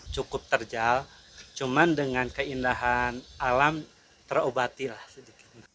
cukup terjal cuman dengan keindahan alam terobati lah sedikit